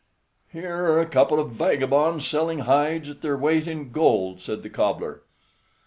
"Here are a couple of vagabonds selling hides at their weight in gold," said the cobbler.